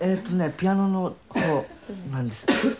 ピアノの音なんです。